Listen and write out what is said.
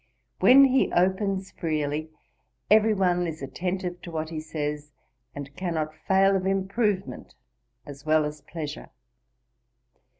When he opens freely, every one is attentive to what he says, and cannot fail of improvement as well as pleasure.